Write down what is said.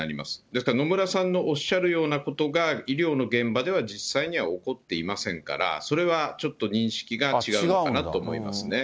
ですから、野村さんのおっしゃるようなことが医療の現場では実際には起こっていませんから、それはちょっと認識が違うのかなと思いますね。